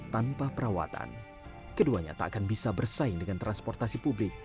tanpa perawatan keduanya tak akan bisa bersaing dengan transportasi publik